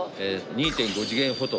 ２．５次元フォト？